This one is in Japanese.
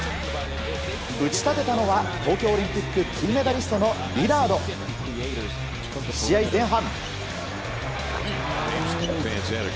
打ち立てたのは東京オリンピック金メダリストのリラード。試合前半。